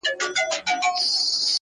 علم وویل زما ډیر دي آدرسونه-